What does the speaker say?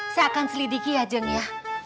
saya akan selidiki ya jeng ya